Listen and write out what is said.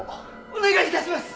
お願い致します！